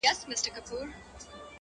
هم په عمر هم په وزن برابر وه؛